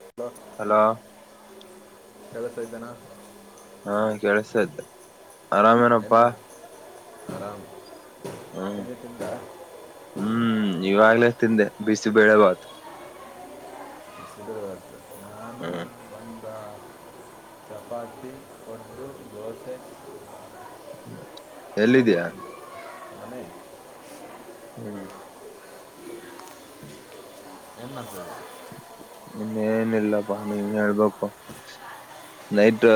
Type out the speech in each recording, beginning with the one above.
ಹ ಹಲೋ [unintelligible] ಕೇಳಸ್ತಾ ಐತನ ಹಾ ಕೇಳಸ್ತಾ ಇತ್ತು ಆರಾಮೇನಪ್ಪಾ ಆರಾಮ ಹ್ಮ ಹ್ಮ್ ಇವಾಗ್ಲೇ ತಿಂದೆ ಬಿಸಿಬೇಳೆ ಬಾತ್ ಬಿಸಿಬೇಳೆ ಬಾತ್ ಹ್ಮ್ ಚಪಾತಿ ಗೊಜ್ಜು ದೋಸೆ ಮದ ಎಲ್ಲಿದ್ಯಾ [unintelligible] ಮನೆ ಹ್ಮ್ ಏನ್ ಮಾಡ್ತಿ ಇನ್ನೇನ ಇಲ್ಲಪ್ಪಾ ನೀ ಹೇಳ್ಬೇಕು ನೈಟ್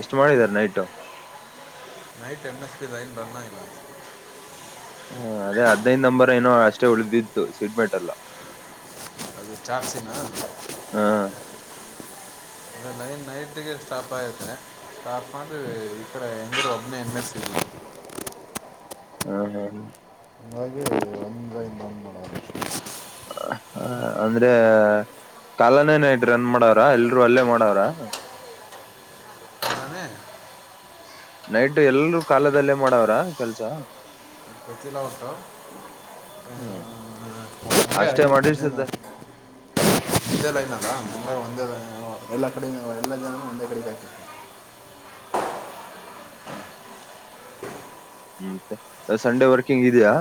ಎಷ್ಟು ಮಾಡಿದಿದ್ದಾರೆ night night N S P rain ಬ ಇಲ್ಲ ಹ್ಮ ಅದೇ ಅ ಅದೇ ನಂಬರ್ ಏನೋ ಅಷ್ಟೇ ಉಳಿದಿತ್ತು ಸಿಟ್ಬೆಟ್ಲ್ಲ ಅದು ಚಾಸಿನ ಹ ಅ ನೈನ್ ನೈಟ್ಗೆ ಸ್ಟಾಪ್ ಆಯುತ್ತೆ ಸ್ಟಾಪ್ ಅದು ಇಥಡೆ ಅಂದರು ಒಬ್ಬನೇ ಎನ್ನಸ್ ಹ್ಮ್ ಹ್ಮ್ ಹ್ಮ್ ಹಾಗೆ ಒಂದ ಇನ್ನೊಂದು ಮಾಡೋರಷ್ಟೇ ಅಂದ್ರೆ ಕಾಲನೇನಐತ್ ರನ್ ಮಾಡವ್ರ ಎಲ್ರುೂ ಅಲ್ಲೇ ಮಾಡವ್ರ ನಾನೇ ನೈಟ್ ಎಲ್ರುೂ ಕಾಲದಲ್ಲೇ ಮಾಡವ್ರ ಕೆಲ್ಸ ಗೊತ್ತಿಲ್ಲ ಒಟ್ಟು ಹ್ಮ್ ಅಷ್ಟೇ ಮಾಡಿಸದ ಒಂದ ಲೈನ್ ಅಲ್ಲ ಒಂದೇ ಲೈನ್ [inaudible] ಎಲ್ಲಾ ಕಡೆ ಎಲ್ಲ ಜನ ಒಂದೇ ಕಡೆ ಕತ ಹ್ಮ ಮ್ಮ ಸಂಡೇ ವರ್ಕಿಂಗ್ ಇದೆಯಾ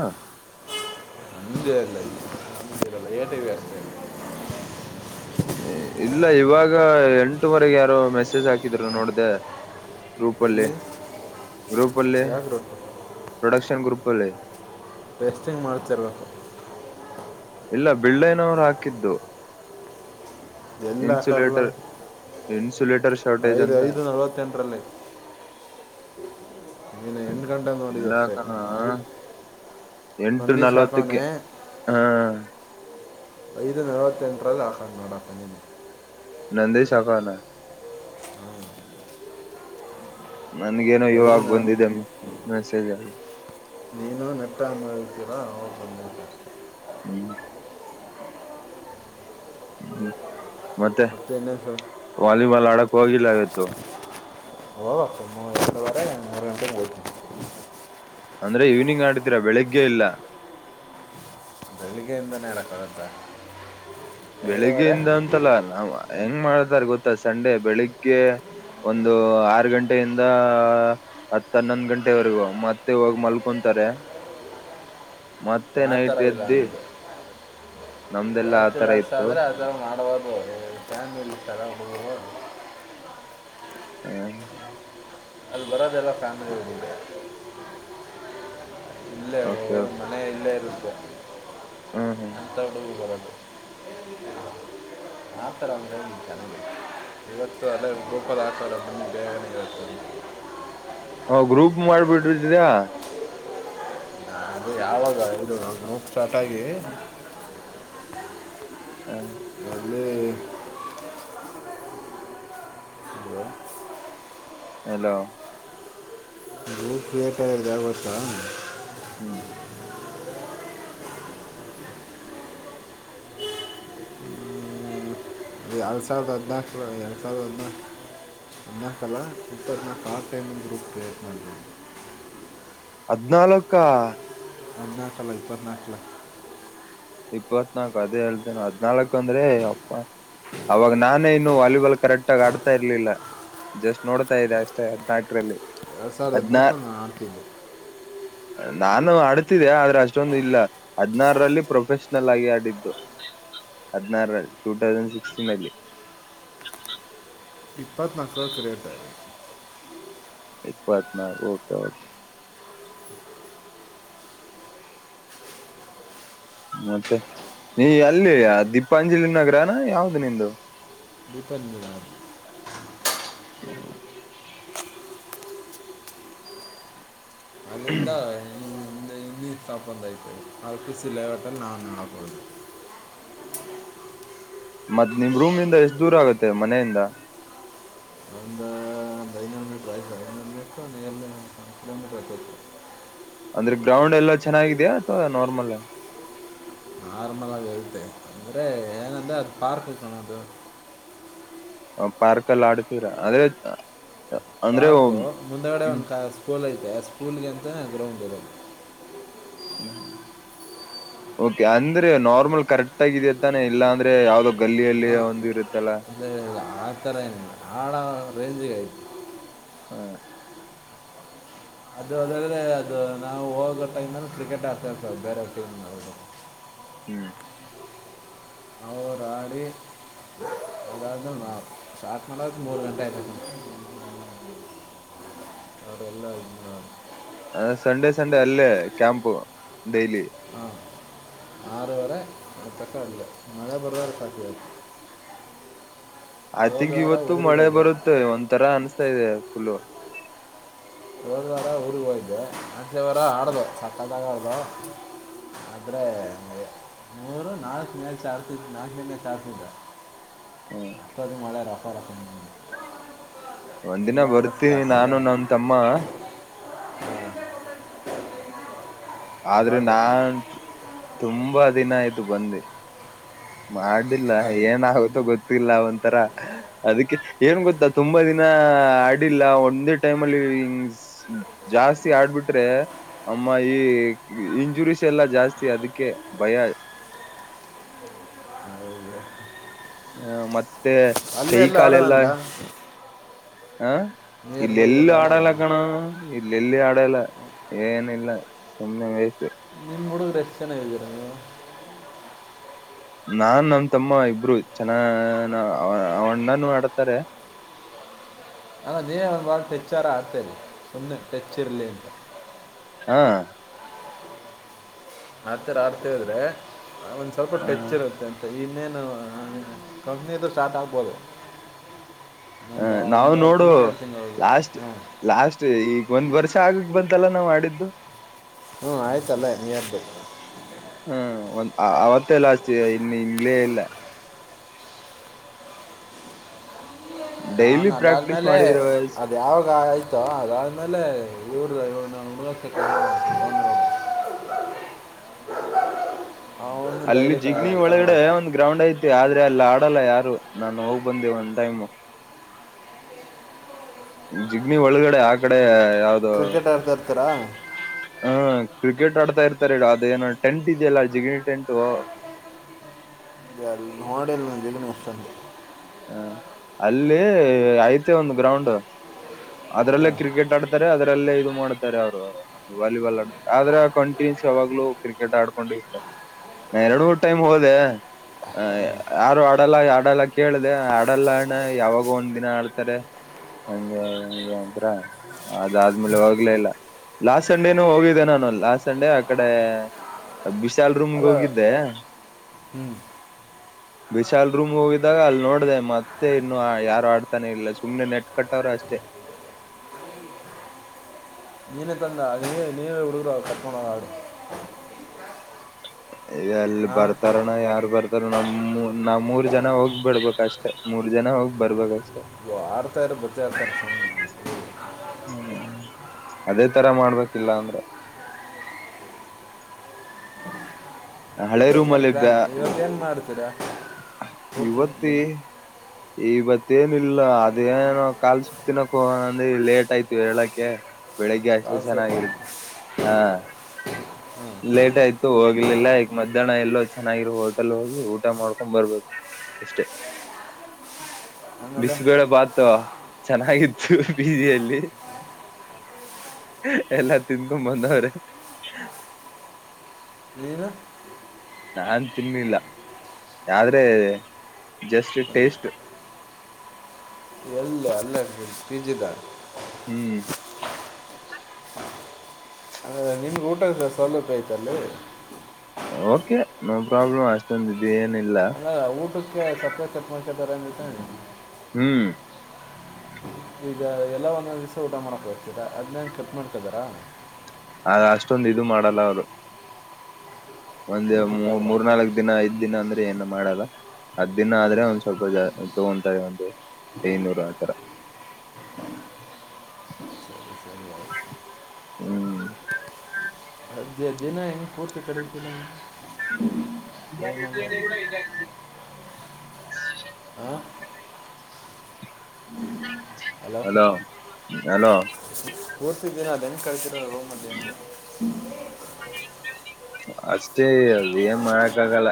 ಅಂದರಲ್ಲ ಇ ಅರಲ್ಲ ಏಟ ವಾಸ [inaudible] ಇಲ್ಲ ಇವಾಗ ಎಂಟವರೆಗೆ ಯಾರೋ ಮೆಸೇಜ್ ಹಾಕಿದ್ರು ನೋಡ್ದ ಗ್ರೂಪಲ್ಲಿ ಎಲ್ಲಿ ಗ್ರೂಪಲ್ಲಿ ಯಾಕೆ ರೊಟ್ಟು ಪ್ರೊಡಕ್ಷನ್ ಗ್ರೂಪ್ ಕಲೆ ರೆಸ್ಟಿಂಗ್ ಮಾಡ್ತರ್ಲ್ಲ ಇಲ್ಲ ಬಿಳ್ಳೈನವರು ಹಾಕಿದ್ದು ಎಲ್ಲ ಹಾಕಲ್ಲ ಇನ್ಸುಲೇಟರ್ ಇನ್ಸುಲೇಟರ್ ಶಾರ್ಟೇಜ್ ಐದು ಅಂತ ಐದು ನಲವತ್ತೆಂಟರಲ್ಲಿ ನೀನು ಎಂಟು ಗಂಟೆ ನೋಡಿದೆ ಅಷ್ಟೇ ಇಲ್ಲಕಣ ಐದು ಎಂಟು ನಂದೀಶ್ ನಲವತ್ತಕ್ಕೆ ಹಾಕೋನೆ ಹಾ ಐದು ನಳವತ್ತಂಲ್ಲಿ ಹಾಕವನೇ ನೋಡಪ್ಪ ನೀನೆ ನಂದೀಶ್ ಹಕ್ವಾನೆ ನನ್ಗೇನೋ ಐದು ಇವಾಗ ನ ಬಂದಿದೆ ಮೆಸೇಜ್ ಅಲ್ಲಿ ನೀನು ನೆಟ್ಆನ್ ಮಾಡುತ್ತೀರಾ ಅವಗ ಬಂದೈತೆ ಹ್ಮ್ ಹು [unintelligible] ಮತ್ತೆ ಇನ್ನೇನು ಸರ್ ವಾಲಿಬಾಲ್ ಆಡಕ್ ಹೋಗಿಲ್ಲ ಇಯತ್ತು [unintelligible] ಅಂದ್ರೆ ಈವ್ನಿಂಗ್ ಆಡ್ತೀರಾ ಬೆಳಿಗ್ಗೆ ಇಲ್ಲ ಬೆಳಗ್ಗೆಯಿಂದನೇ ಹೇಳಕ್ಕಾಗುತ್ತ ಬೆಳಿಗ್ಗೆಯಿಂದ ಅಂತಲ್ಲ ನಾ ಹೆಂಗ್ ಮಾಡತಾರ ಗೊತ್ತಾ ಸಂಡೆ ಬೆಳಿಗ್ಗೆ ಒಂದು ಆರ್ ಗಂಟೆಯಿಂದ ಹತ್ತನ್ನೊಂದು ಗಂಟೆವರೆಗೂ ಮತ್ತೆ ಹೋಗಿ ಮಲ್ಕೊಂತಾರೆ ಮತ್ತೆ ಆ ಥರ ನೈಟ್ ಇಲ್ಲ ಎದ್ದಿ ನಮಗೆ ನಮ್ದೆಲ್ಲಾ ಆತರ ಬ್ಯಾಚುಲರ್ಸ್ ಇತ್ತು ಆದ್ರೆ ಆತರ ಮಾಡಬಾರದು ್ಯಾನ್ಲ್ಲಿ ತರವ ಹ್ಮ್ ಅಲ್ಲಿ ಬರೋದೆಲ್ಲ ಫ್ಯಾಮಿಲಿ ಇಲ್ಲೇ ಓಕೆ ಹ ಓಕೆ ಮನ ಇಲ್ಲೇ ಐತಿ [unintelligible] ಹ್ಮ್ ಹ್ಮ್ ಎಂತ ಎಲ್ಲಿ ಬರದು ಮಾಡತರ ಅಂದರೆ ಚೆನ್ನಾಗಿ ಇವತ್ತು ಅಲ್ಲ ಗ್ರೂಪಲ್ಲಿ ಹಾಕವ್ರೆ ದೇವಣಗಳು ತರಿ [unintelligible] ಹ ಗ್ರೂಪ್ ಮಾಡ್ಬಿಡ್ರಿದ್ರ ಹ ಅದು ಯಾವಾಗ ಇದು ನ ನೋಕ್ ಸ್ಟಾರ್ಟ್ ಆಗಿ ಹ್ಮ ಅಲ್ಲೇ ಹಲೋ ಕಿಯೇಟರ್ ಇದೆ ಗೊತ್ತಾ [unintelligible] ಅದು ಎರಡು ಸಾವಿರದ ಹದಿನಾಲ್ಕರ ಎರಡು ಸಾವಿರ ಹದಿನಾಲ್ಕು ಹದಿನಾಲ್ಕಲ್ಲ ಇಪ್ಪತ್ತು ನಕ ಕಾರ್ ಟೈಮೆ ಗ್ರೂಪ್ ಗೆ ಹದಿನಾಲ್ಕು ಹದಿನಾಲ್ಕ ಅಲ್ಲ ಇಪ್ಪತ್ತುನಾಲ್ಕ ಇಪ್ಪತ್ನಾಲ್ಕು ಅದೇ ಹೇಳ್ತೇನೆ ಹದ್ನಾಲ್ಕು ಅಂದ್ರೆ ಯಪ್ಪಾ ಅವಾಗ ನಾನೇ ಇನ್ನು ವಾಲಿಬಾಲ್ ಕರೆಕ್ಟ್ ಆಗ ಆಡ್ತಾ ಇರ್ಲಿಲ್ಲ ಜಸ್ಟ್ ನೋಡ್ತಾ ಇದೆ ಅಷ್ಟೇ ಹದ್ನಾಲ್ಕರಲ್ಲಿ ಎರಡು ಸಾವಿರ ಹದ್ನಾ ಹ ದ್ನಾಲ್ಕು ಹಾಕಿದ್ದು ನಾನು ಅಡ್ತಿದೆ ಆದ್ರೆ ಅಷ್ಟೊಂದು ಇಲ್ಲ ಹದ್ಿನಾರರಲ್ಲಿ ಪ್ರೊಫೆಷನಲ್ ಆಗಿ ಆಡಿದ್ದು ಹದ್ನಾರಲ್ಲಿ ಟೂ ಐೌಸಂಡ್ ಸಿಕ್ಸ್ಟೀನ್ಲ್ಲಿ ಇಪ್ಪತ್ತುನಾಲ್ಕು ಸಾವಿರ ಕ್ರೀಟ್ ಇಪ್ಪತ್ತಾ ಆರು ಓಕೆ ಓಕೆ ಮತ್ತೆ ಈ ಅಲ್ಲಿ ದೀಪಾಂಜಲಿ ನಗರನ ಯಾವ್ದ ನಿಂದು ದೀಪಾ ನಗರ [unintelligible] ಮುಂದ ಒ ಇನ್ನಿ ತಾಪ್ಪಂದಾಯ್ತು ಅಲ್ಪು ಸಿ ಲೇವಟಲ್ಲಿ ನಾನು ನೋಬಹದು ಮತ್ತ್ ನಿಮ್ ರೂಮನಿಂದ ಎಷ್ಟ ದೂರ ಆಗತ್ತೆ ಮನೆಯಿಂದ ಷ್ಟಂದು ಎಲ್ಲಿ ಕಿಲೋಮೀಟರ ಅಂದ್ರೆ ಗ್ರೌಂಡ್ ಎಲ್ಲಾ ಚೆನ್ನಾಗಿದೆಯಾ ಅಥವಾ ನಾರ್ಮಲ್ ಹೇಳ್ತೆ ಅಂದ್ರೆ ಏನಂದ ಅದು ಪಾರ್ಕ್ ಹ ಕಣದು ಪಾರ್ಕ್ಲ್ಲಿ ಆಡ್ತೀರ ಅದೇ ಪಾರ್ಕ್ ಮುಂದಗಡೆ ಒಂದು ಸ್ಕೂಲ್ ಸ್ಕೂಲ್ಗೆ ಅಂತ ಗ್ರೌಂಡ್ ಇರೋದು ಓಕೆ ಅಂದ್ರೆ ನಾರ್ಮಲ್ ಕರೆಕ್ಟ್ ಆಗಿದ ತಾನೆ ಇಲ್ಲಾ ಅಂದ್ರೆ ಯಾವ್ದೋ ಗಲ್ಲಿಯಲ್ಲಿ ಒಂದು ಇರುತ್ತಲ್ಲ ಆತರ ಏನಿಲ್ಲ ಆಡ ರೇಂಜಿಗೆ ಅಯ್ತಿ ಹಾ ಅದು ಅದಾದೆ ಅದು ನಾವು ಹೋಗೋ ಟೈಮ ಯಲ್ಲಿ ಕ್ರಿಕೆಟ್ ಆಗ್ತಾ ಇರ್ತದು ಬೇರೆ ಟೀಮ್ ನವರು ಹ್ಮ್ ಅವರ ಆಡಿ [inaudible] ಅದಾದ ಮೇಲೆ ನಾವು ಸ್ಟಾರ್ಟ್ ಮಾಡ ತನಕ ಮೂರು ಗಂಟೆ ಆಯ್ತಾ ಅವ್ರ ಎಲ್ಲಾ ಇದಾ ಹಾ ಸಂಡೇ ಸಂಡೇ ಅಲ್ಲೇ ಕ್ಯಾಂಪು ಡೈಲಿ ಆರುವರೆ ಅತಕ್ಕ ಇಲ್ಲ ಮಳೆ ಬರ್ದೇ ಹೋದ್ರೆ ಸಾಕು ಐ ಹೋದ ಥಿಂಕ್ ವಾರ ಇವತ್ತು ಊರಿಗೆ ಮಳೆ ಹೋಯ್ದೆ ಬರುತ್ತೆ ಒಂತರ ಅನ್ಸ್ತ [unintelligible] ಹೋದ ವಾರ ಊರ್ ಹೋಗಿದೊ [unintelligible] ಆದರೆ ಮೂರು ನಾಲ್ಕು ಮೇಲೆ ಮ್ಯಾಚ್ ನಾಲ್ಕನೇ ಮ್ಯಾಚ್ ಆಡ್ತಿದೊ ಹ್ಮ್ [unintelligible] [unintelligible] ಒಂದ್ ದಿನ ಬರ್ತಿ ನಾನು ನನ್ ತಮ್ಮ [unintelligible] [unintelligible] ಅದ್ರೆ ಬಾಬೆ ನಾನ್ [inaudible] ತುಂಬಾ ದಿನ ಆಯ್ತು ಬಂದಿ ಮಾಡಿಲ್ಲ ಆಡಿ ಏನ ಆಗುತ್ತೋ ಗೊತ್ತ ಗೋತಿಲ್ಲ ಒಂಥರ ಅದಕ್ಕೆ ಏನ್ ಗೊತ್ತಾ ತುಂಬಾ ದಿನ ಆಡಿಲ್ಲ ಒಂದೇ ಟೈಮ್ ಅಲ್ಲಿ ಜಾಸ್ತಿ ಆಡ್ಬಿಟ್ರೆ ಅಮ್ಮ ಈ ಇಂಜುರೀಸ್ ಎಲ್ಲಾ ಜಾಸ್ತಿ ಅದಕ್ಕೆ ಭಯ ಹೌದು ಹ್ಮ್ ಮತ್ತ ಅಲ್ಲೇ ಕೈ ಕಾಲ ಎಲ್ಲ ಆಡೋಣಲ್ಲ ಹಾ ನಿಯರ್ ಇಲ್ಲಿ ಬೈ ಎಲ್ಲೂ ಎಲ್ಲ ಆಡೋದ ಆಡಲ್ಲ ಕಣೋ ಇಲ್ಲಿ ಆಡಲ್ಲ ಏನ ಇಲ್ಲ ಸುಮ್ಮನೆ ವೇಸ್ಟ್ ನಿಮ್ಮ ಕೂಡ [unintelligible] ನಾನ್ ನಮ ತಮ್ಮ ಇಬ್ರು ಚೆನ್ನ [inaudible] ಅಣ್ಣನು ಆಡತಾರೆ ಅಲ್ಲ ನೀನೇ ಒಂದ್ ಬಾಳ ಟೆಚ್ಚಾರ ಆಗ್ತರಿ ಸುಮ್ನೆ ಟೆಚ್ ಇರ್ಲಿ ಅಂತ ಹಾ ಆಡ್ತೀರಾ [unintelligible] ಒಂದ್ ಸ್ವಲ್ಪ ಟೆಚ್ ಇರುತ್ತೆ ಅಂತ ಈ ಇನ್ನೇನು ಕಂಪ್ನಿಯಿದು ಸ್ಟಾರ್ಟ್ ಆಗ್ಬೋದು ಹಾ ಒಂದು ನಾವು ಒಂದು ಆರು ನೋಡು ತಿಂಗಳು ಎರಡು ತಿಂಗಳು ಲಾಸ್ಟ್ ಹ್ಞೂ ಲಾಸ್ಟ್ ಈಗ ಒಂದ್ ವರ್ಷ ಆಗಕ್ ಬಂತ್ ಇದೆಲ್ಲ ನಾವು ಆಡಿದ್ದು ಹ್ಮ್, ಆಯ್ತಲ್ಲ ನೀರ್ಬೇಕು. ಹ್ಮ, ಒಂದ ಅವತ್ತೆಲ್ಲ ಅಷ್ಟ ಇನ್ನು ಇಂಗಲೇ ಇಲ್ಲ. ನಾನು ಡೈಲಿ ಪ್ರಾಕ್ಟೀಸ್ ಅದಾದ್ಮೇಲೆ, ಮಾಡಿದ್ರ ಅದು ಯಾವಾಗ ಆಯ್ತೋ ಅದಾದ್ಮೇಲೆ ಊರು ಇವನ- ಕ [unintelligible] [inaudible] ಅಲ್ಲಿ ಜಿಗ್ಣಿ ಕರ್ಕೊಂಡು ಒಳಗಡೆ ಹೋಗ್ತೀನಿ ಒಂದ್ ಗ್ರೌಂಡ್ ಯ್ತು., - ಆದ್ರೆ ಅಲ್ಲ ಆಡಲ್ಲ ಯಾರು ನಾನು ಹೋಗ್ ಬಂದೆ ಒಂದ್ ಟೈಮು. - ಜಿಗ್ನಿ ಒಳಗಡೆ ಆ ಕಡೆ, - ಯಾವ್ದೋ.. ಕ್ರಿಕೆಟ್ ಆಡ್ತಾ ಇರ್ತೀರಾ ಹಾ,, ಕ್ರಿಕೆಟ್ ಆಡ್ತಾ ಇರ್ತಾರೆ ಈಗ ಅದೇಏನ ಟೆಂಟ್ ಇದೆಯಲ್ಲ ಜಿಗಿಣಿ ಟೆಂಟು. ನೋಡೆಲ್ ದಲನ ಇಸ್ [unintelligible] ಹ, ಅಲ್ಲಿ ಐತೆ ಒಂದು ಗ್ರೌಂಡ್. - ಅದ್ರಲ್ಲೇ ಹಾಂ ಕ್ರಿಕೆಟ್ ಆಡ್ತಾರೆ ಅದರಲ್ಲೇ ಇದು. - ಮಾಡ್ತಾರೆ ಅವ್ರು ವಾಲಿಬಾಲ್ ಆ ಆದ್ರ ಕಂಟಿನ್ಯಸ್ ಯಾವಾಗ್ಲೂ ಕ್ರಿಕೆಟ್ ಆಡ್ಕೊಂಡು ಇರ್ತಾರೆ. ಎರಡು ಮೂರ್ ಟೈಮ್ ಹೋದೆ ಯಾರು ಆಡಲ್ಲ -ಆಡಲ್ಲ ಕೇಳ್ದ ಆಡಲ್ಲಣ್ಣ ಯಾವಾಗ ಒಂದ್ ದಿನ ಆಡ್ತಾರೆ. ಹಂಗ- ಹ ಅದಾದ್ಮೇಲೆ ಹೋಗ್ಲೇ ಇಲ್ಲ ಲಾಸ್ಟ್ ಸಂಡೇನೂ ಹೋಗಿದ್ದೆ. ನಾನು ಅ ಲಾಸ್ಟ್ ಸಂಡೆ ಆ ಕಡೆ ವಿಶಾಲ್ ರೂಮ್ಗೆ ಅಲ್ಲ ಹೋಗಿದ್ದೆ. ಹ್ಞೂ ವಿಶಾಲ್ ರೂಮ್ ಹೋಗಿದ್ದಾಗ ಅಲ್ಲಿ ನೋಡ್ದ ಮತ್ತೆ ಇನ್ನು ಯಾರು ಆಡ್ತಾನೆ ಇಲ್ಲ. ಸುಮ್ನೆ ನೆಟ್ ಕಟ್ಟವ್ರೆ ಅಷ್ಟೇ, - ನೀನೇ ತಂದ ನೀ ನೀವೇ ಉಡುಗರ ಕಟ್ಣ ಆಡು. ಅಲ್ಲಿ ಹಾಂ ಬರ್ತಾರನ ಯಾರು ಬರ್ತಾರ, - ನ್ ನಾವ್ ಮೂರ್ ಜನ ಹೋಗ್ ಬಿಡ್ಬೇಕ ಅಷ್ಟೆ, ಮೂರ್ ಜನ ಹೋಗ್ ಬರ್ಬೇಕಷ್ಟೆ- ಆಡ್ತಾ ಇರ ಬೊತ್ತಾಡ್ತಾರೆ [unintelligible] ಹ್ಮ, ಅದೇ ತರ ಮಾಡ್ಬೇಕಿಲ್ಲ ಅಂದ್ರೆ., - ಇವತ್ತೇಏನ್ ಪ್ಲಾನ್ ಇವತ್ತ ಏನ್ ಮಾಡ್ತೀರಾ.. - ಇವತ್ತ [inaudible] -ಇವತ್ತೇಏನಿಲ್ಲ. ಅದೇಏನೋ ಕಾಲ್ ಸೂಪ್ ತಿನಕ ಹೋಗಣಅಂದ ಲೇಟ್ ಆಯ್ತಿವಿ ಹೇಳಕೆ. ಬೆಳಿಗ್ಗೆ ಅಷ್ಟೇ ಕಾಲು ಸ್ವಲ್ಪ ಚೆನ್ನಾಗಿರು ಹಾ, ಲೇಟ್ ಆಯ್ತು ಹೋಗಿ., - ಇಲ್ಲ ಈಗ ಮಧ್ಯಾಹ್ನ ಎಲ್ಲೋ ಚೆನ್ನಾಗಿರ ಹೋಟೆಲ್ ಹೋಗಿ ಊಟ ಮಾಡ್ಕೊಂಡ್ ಬರ್ಬೇಕು ಅಷ್ಟೇ. - ಆಮೇಲೆ ಬಿಸ್ಬೇಳೆ ಬಾತು. ಚೆನ್ನಾಗಿತ್ತು ಪಿಜಿಯಲ್ಲಿ ಎಲ್ಲಾ ತಿನ್ಕೊ ಬಂದವ್ರೆ. - ನೀನು ನಾನ್ ತಿನ್ನಿಲ್ಲ ಆದ್ರೆ ಜಸ್ಟ್ ಟೇಸ್ಟ್., - ಅ ಅಲ್ಲ ಪಜದ [unintelligible] ಹ್ಮ್, ನಿಮ್ಗೆ ಊಟದ ಸರ್ ಸೌಲಭ್ಯ ಐತ ಅಲ್ಲಿ., - ಓಕೆ ನೋ ಪ್ರಾಬ್ಲಮ್ ಆತಂದ ಬ [unintelligible] ಅಂದ ಊಟಕ್ಕೆ ಸಪ್ಪೆ ಚಪ್ಪ [unintelligible] ಬರ [inaudible] ಹ್ಮ್, ಈಗ ಎಲ್ಲ ಒಂದೊಂದ್ ದಿವ್ಸ ಊಟ ಮಾಡಕ್ ಹೋಗ್ತೀರಾ., ಅದ್ ನ ಕೆಲ್ಪ್ ಮಾಡ್ಕದಾರ- ಅ ಅಷ್ಟೊಂದ ಇದು ಮಾಡಲ್ಲ ಅವರು., - ಒಂದ್ ಊಟಕ್ಕಾದ್ರೆ ಮೂರ್ನಾಲ್ಕ, ದಿನ ಐದ್ ದಿನ ಅಂದ್ರೆ ಏನು- ಮಾಡಲ್ಲ ಹತ್ದ್ ದಿನ ಆದ್ರೆ ಒಂದ್ ಸ್ವಲ್ಪ ಜ ತಗೊಂತಾರೆ. ಒಂದು ಐನೂರು ಆ ತರ ಹ್ಮ್, - ದಿನ ಹೆಂಗ ಪೂರ್ತಿ ಕಳಿತೀನೋ ಇಲ್ಲ ವ ಕೂಡ ಇಲ್ಲ [inaudible] ಆ ಹಲೋ ಹಲೋ ಕೂರ್ತಿದ್ದೀನ ಅದ ಹೆಂ ಕಳ್ತಿರೋ ರೂಮಲ್ಲಿಲ್ಲಿ [inaudible] ಅಷ್ಟೇ ಅದ ಏನ್ ಮಾಡಕ್ಕಾಗಲ್ಲ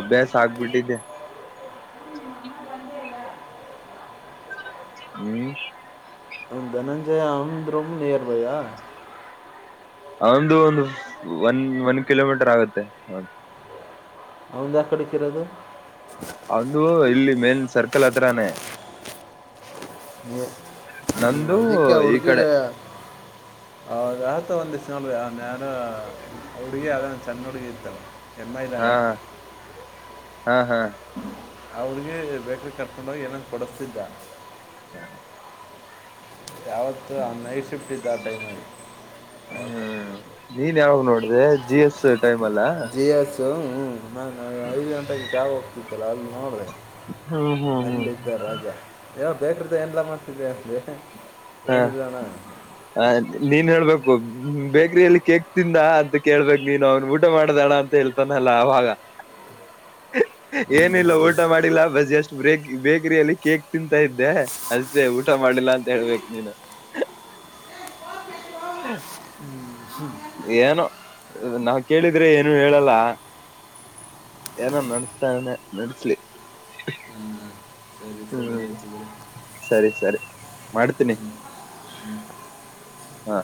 ಅಭ್ಯಾಸ ಆಗ್ಬಿಟ್ಟಿದ್ದೆ ಹ್ಮ್ ಹ ಧನಂಜಯ ಆಮಂದ್ರಮ ನಿಯರ್ ಬೈಯ [unintelligible] ಒಂದು ಒಂದು ಒನ್ ಒನ್ ಕಿಲೋಮೀಟರ್ ಆಗುತ್ತೆ ಹ ಅವಂದಾ ಯಾವ ಕಡಿಕ್ ಇರೋದು ಹೌದು ದು ಇಲ್ಲಿ ಮೇಲೆ ಸರ್ಕಲ್ ಹತ್ರಾನೇ ಈ ನಂದು ಈ ಕಡೆ ಹೌದ ಆತ ಒಂದಿವಿಸ ನಲ್ ನಾನ ಹುಡುಗಿ ಆ ಸಣ್ಣ ಹುಡ್ಗಿ ಇತಲ್ಲ ಎ ಹಾ ಮೈದಾನೆ ಹಾ ಹಾ ಅವ್ರಿಗೆ ಬೇಕ್ರೀ ಕರ್ಕೊಂಡಗಿ ಏನನ್ ಕೊಡಿಸ್ತಿದ್ದ ಯಾವತ್ತು ನೈಟ್ ಶಿಫ್ಟ್ ಇದ್ದ ಆ ಟೈಮಲ್ಲಿ ಹಾ ನೀ ಯಾವಾಗ್ ನೋಡಿದೆ ಜಿ ಎಸ್ ಟೈಮ್ ಲ್ಲ ಹ್ಮ ನಾ ಐದು ಗಂಟೆಗೆ ಯಾವವು ಇತ್ತಲಾ ಅಲ್ಲಿ ನೋಡಿದೆ ಹ್ಮ್ ಹ್ಮ್ ಹ್ಮ್ ಹ್ಮ [unintelligible] ಯಾವ ಬೇಕ್ರ್ದ ಎನ್ಲ್ಲಾ ಮಾಡ್ತಿದ್ದವಿ ಅಲ್ಲಿ ಹ ಏನು ಇಲ್ಲಣ [unintelligible] ನೀನ್ ಹೇಳ್ಬೇಕು ಬೇಕ್ರಿಯಲ್ಲಿ ಕೇಕ್ ತಿಂದ ಅಂತ ಕೇಳ್ಬೇಕು ನೀನು ಅವನು ಊಟ ಮಾಡ್ದಣ ಅಂತ ಹೇಳ್ತಾನಲ್ಲ ಅವಾಗ ಏನಿಲ್ಲ ಊಟ ಮಾಡಿಲ್ಲ ಬಸ್ ಜಸ್ಟ್ ಬಕ್ ಬೇಕ್ರಿಯಲ್ಲಿ ಕೇಕ್ ತಿಂತಾ ಇದ್ದೆ ಅಷ್ಟೇ ಊಟ ಮಾಡಿಲ್ಲ ಅಂತ ಹೇಳ್ಬೇಕು ನೀನು [unintelligible] ಹ ಏನೋ ನಾವ್ ಕೇಳಿದ್ರೆ ಏನು ಹೇಳಲ್ಲ ಏನೋ ನಡ್ಸ್ತನೆ ನಡ್ಸ್ಲಿ ಹ್ಞೂ ಸರಿ ಸರಿ ಹ್ಮ ಆಯ್ತು ಬಿಡು ಸರಿ ಸರಿ ಮಾಡ್ತೀನಿ ಹಾ